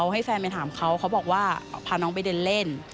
ให้แฟนไปถามเขาเขาบอกว่าพาน้องไปเดินเล่น